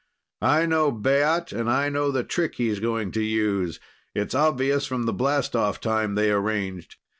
I know Baat, and I know the trick he's going to use. It's obvious from the blastoff time they arranged.